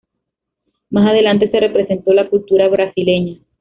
Más adelante se representó la cultura brasileña.